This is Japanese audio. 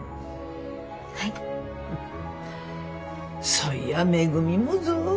そいやめぐみもぞ。